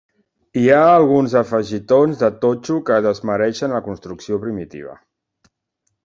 Hi ha alguns afegitons de totxo que desmereixen la construcció primitiva.